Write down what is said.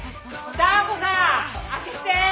ダー子さーん！